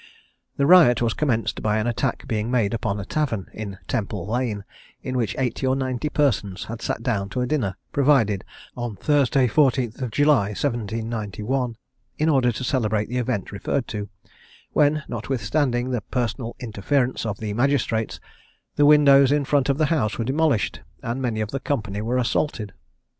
The riot was commenced by an attack being made upon a tavern, in Temple lane, in which eighty or ninety persons had sat down to a dinner provided on Thursday, the 14th July 1791, in order to celebrate the event referred to, when, notwithstanding the personal interference of the magistrates, the windows in front of the house were demolished, and many of the company were assaulted.